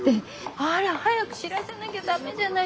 あら早く知らせなきゃダメじゃない。